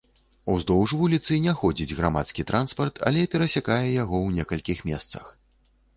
Уздоўж вуліцы не ходзіць грамадскі транспарт, але перасякае яго ў некалькіх месцах.